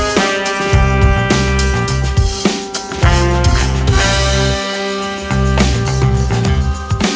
ya allah kamu biru